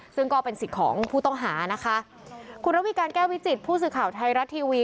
ซึ่งก็เป็นสิทธิ์ของผู้ต้องหานะคะคุณระวิการแก้ววิจิตผู้สื่อข่าวไทยรัฐทีวี